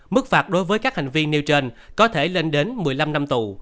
mức phạt đối với các hành vi nêu trên có thể lên đến một mươi năm năm tù